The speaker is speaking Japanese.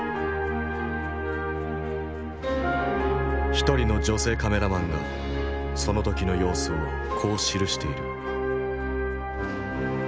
一人の女性カメラマンがその時の様子をこう記している。